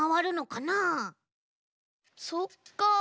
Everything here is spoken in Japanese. そっか。